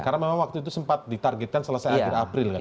karena memang waktu itu sempat ditargetkan selesai akhir april kan ya